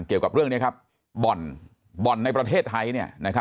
เกี่ยวกับเรื่องนี้ครับบ่อนในประเทศไทย